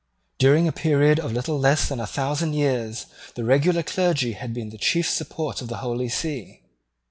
During a period of little less than a thousand years the regular clergy had been the chief support of the Holy See.